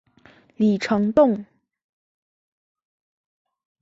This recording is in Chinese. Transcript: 李成栋。